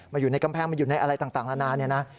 มันอยู่ในกำแพงมันอยู่ในอะไรต่างละนะ